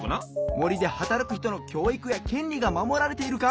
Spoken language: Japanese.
もりではたらくひとのきょういくやけんりがまもられているか。